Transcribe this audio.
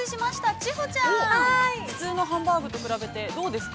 千穂ちゃん、普通のハンバーグと比べて、どうですか。